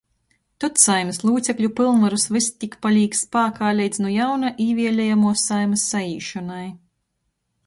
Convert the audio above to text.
Tod Saeimys lūcekļu pylnvarys vystik palīk spākā leidz nu jauna īvielejamuos Saeimys saīšonai,